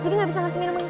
jadi ga bisa kasih minuman